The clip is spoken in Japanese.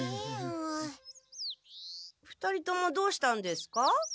２人ともどうしたんですか？